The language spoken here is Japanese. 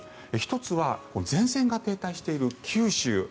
１つはこの前線が停滞している九州。